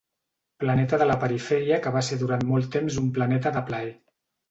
Planeta de la Perifèria que va ser durant molt temps un planeta de plaer.